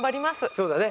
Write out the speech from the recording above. そうだね。